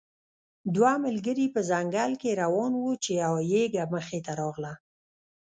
دوه ملګري په ځنګل کې روان وو چې یو یږه مخې ته راغله.